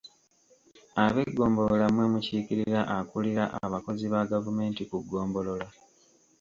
Abeggombolola mmwe mukiikirira akulira abakozi ba gavumenti ku ggombolola.